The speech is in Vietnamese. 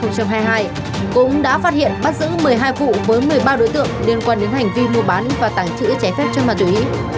cũng đã phát hiện bắt giữ một mươi hai vụ với một mươi ba đối tượng liên quan đến hành vi mua bán và tàng trữ trái phép chân ma túy